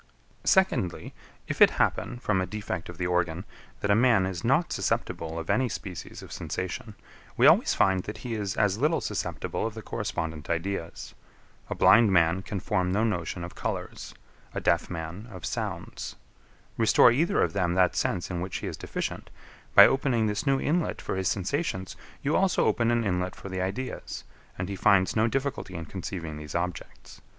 15. Secondly. If it happen, from a defect of the organ, that a man is not susceptible of any species of sensation, we always find that he is as little susceptible of the correspondent ideas. A blind man can form no notion of colours; a deaf man of sounds. Restore either of them that sense in which he is deficient; by opening this new inlet for his sensations, you also open an inlet for the ideas; and he finds no difficulty in conceiving these objects.